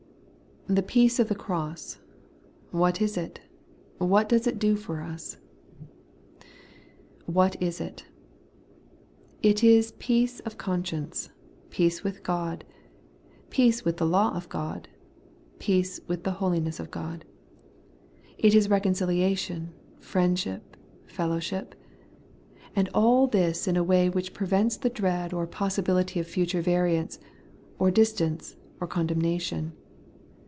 The peace of the cross, what is it ? What does it do for us ? What is it ? It is peace of conscience ; peace with God ; peace with the law of God ; peace with the holiness of God. It is reconciliation, friendship, fellowship ; and all this in a way which prevents the dread or possibility of future variance, or dis tance, or condemnation.